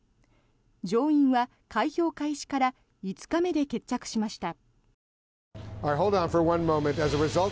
上院は開票開始から５日目で決着しました。